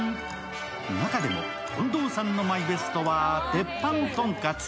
中でも近藤さんのマイベストは鉄板とんかつ。